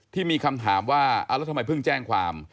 ที่มีคำถามว่าแล้วทำไมเพิ่งแจ้งความ